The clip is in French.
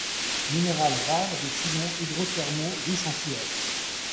Minéral rare des filons hydro-thermo riches en fluor.